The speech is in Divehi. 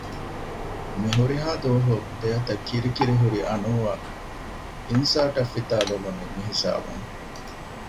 މިހުރިހާ ދުވަހު ދެއަތަށް ކިރިކިރި ހުރި އަނޫއަށް އިންސާރޓަށް ފިތާލެވުނީ މިހިސާބުން